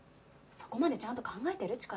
そこまでちゃんと考えてる？